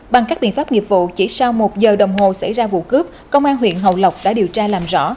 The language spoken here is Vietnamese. bằng các biện pháp nghiệp vụ chỉ sau một giờ đồng hồ xảy ra vụ cướp công an huyện hậu lộc đã điều tra làm rõ